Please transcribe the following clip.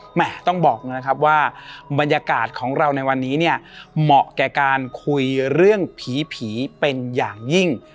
ต้องบอกนะครับว่าบรรยากาศของเราในวันนี้เนี่ยเหมาะแก่การคุยเรื่องผีผีเป็นอย่างยิ่ง